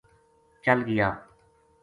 چل گیا